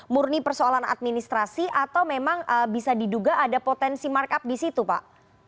murni persoalan administrasi atau memang bisa diduga ada potensi markup di situ pak